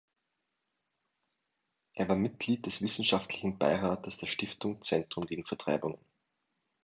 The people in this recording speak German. Er war Mitglied des Wissenschaftlichen Beirates der Stiftung Zentrum gegen Vertreibungen.